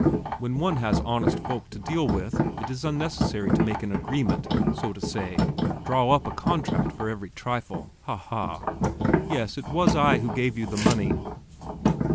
When one has honest folk to deal with, it is unnecessary to make an agreement, so to say, draw up a contract for every trifle. Ha, ha! Yes, it was I who gave you the money!"